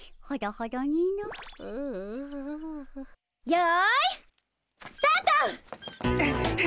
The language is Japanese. よいスタート！